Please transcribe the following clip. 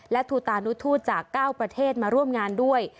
และทูตานุทูตจาก๙ประเทศมาร่วมงานด้วย